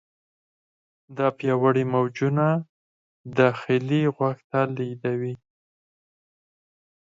دا پیاوړي موجونه داخلي غوږ ته لیږدوي.